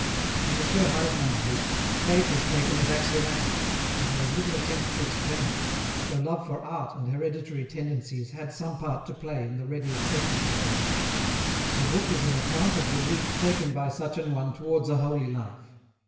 In M. Huysmans' book Faith is taken as axiomatic, and there is little attempt to explain it, though love for Art and hereditary tendencies had some part to play in the ready acceptance of the gift ; the book is the account of the Route taken by such an one towards a holy life.